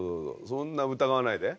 そんな疑わないで。